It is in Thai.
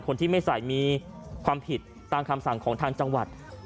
คนที่ไม่ใส่มีความผิดตามคำสั่งของทางจังหวัด